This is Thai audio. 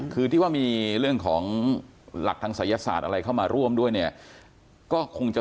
คือที่ว่ามีเรื่องของหลักทางศัยศาสตร์อะไรเข้ามาร่วมด้วยเนี่ยก็คงจะ